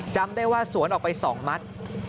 จำได้ว่าสวนออกไป๒มัด